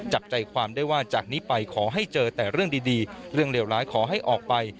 จับใจความได้ว่าจากนี้ไปขอให้เจอแต่เรื่องดีเรื่องเลวร้ายขอให้ออกไป